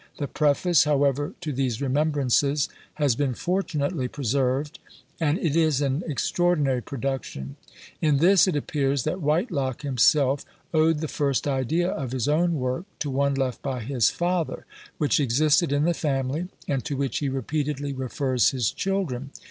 The preface, however, to these "Remembrances," has been fortunately preserved, and it is an extraordinary production. In this it appears that Whitelocke himself owed the first idea of his own work to one left by his father, which existed in the family, and to which he repeatedly refers his children.